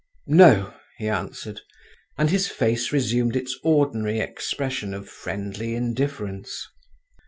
"No," he answered, and his face resumed its ordinary expression of friendly indifference.